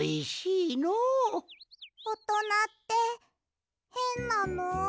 おとなってへんなの。